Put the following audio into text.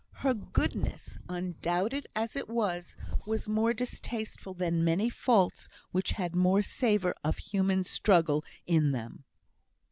Her goodness, undoubted as it was, was more distasteful than many faults which had more savour of human struggle in them.